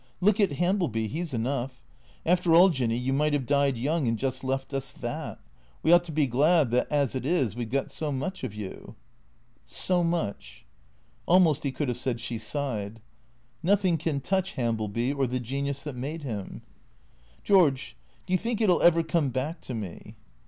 Look at Hambleby. He 's enough. After all. Jinny, you might have died young and just left us that. We ought to be glad that, as it is, we 've got so much of you." " So much " Almost he could have said she sighed. " Nothing can touch Hambleby or the genius that made him.'' " George — do you think it '11 ever come back to me